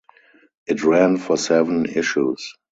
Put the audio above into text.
It ran for seven issues.